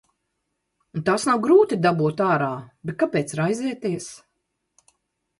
Un tās nav grūti dabūt ārā, bet kāpēc raizēties?